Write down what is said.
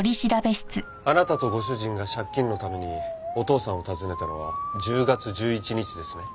あなたとご主人が借金のためにお父さんを訪ねたのは１０月１１日ですね？